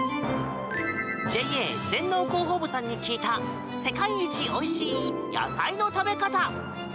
「ＪＡ全農広報部さんにきいた世界一おいしい野菜の食べ方」。